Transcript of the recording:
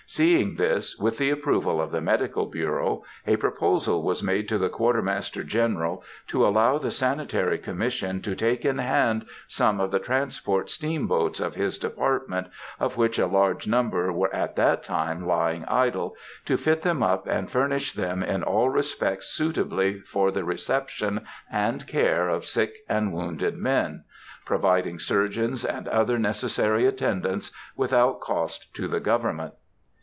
Seeing this, with the approval of the Medical Bureau, a proposal was made to the Quartermaster General to allow the Sanitary Commission to take in hand some of the transport steamboats of his department, of which a large number were at that time lying idle, to fit them up and furnish them in all respects suitably for the reception and care of sick and wounded men, providing surgeons and other necessary attendance, without cost to government.